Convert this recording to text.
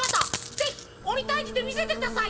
ぜひおにたいじでみせてください！